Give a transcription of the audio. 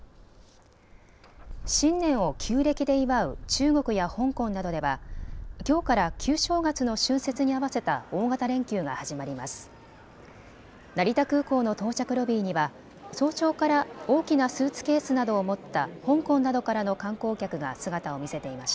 新年を旧暦で祝う中国や香港などではきょうから旧正月の春節に合わせた大型連休が始まります。